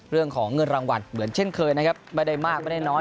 เรื่องของเงินรางวัลเหมือนเช่นเคยนะครับไม่ได้มากไม่ได้น้อย